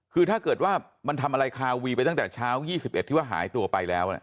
คือถ้าเกิดว่ามันทำอะไรคาวีไปตั้งแต่เช้า๒๑ที่ว่าหายตัวไปแล้ว